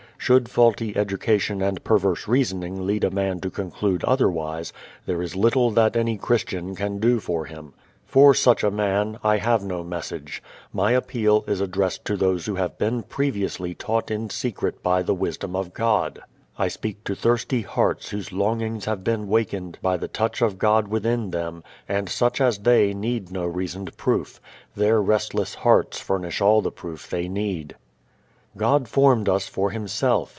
Should faulty education and perverse reasoning lead a man to conclude otherwise, there is little that any Christian can do for him. For such a man I have no message. My appeal is addressed to those who have been previously taught in secret by the wisdom of God; I speak to thirsty hearts whose longings have been wakened by the touch of God within them, and such as they need no reasoned proof. Their restless hearts furnish all the proof they need. God formed us for Himself.